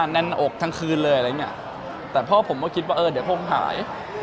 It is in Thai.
แน่นอกทั้งคืนเลยอะไรอย่างเงี้ยแต่พ่อผมก็คิดว่าเออเดี๋ยวคงหาย